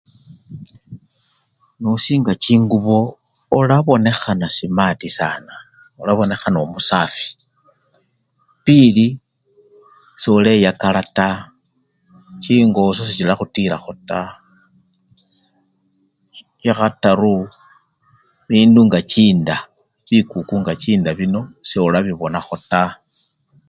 Nosinga chingubo, olabonekhana simati sana, olabonekhana omusafi, pili, soleyakala taa, chingoso sechilakhutilakho taa , sekhataru bindu nga chinda, bikuku nga chinda bino, solabibonakho taa.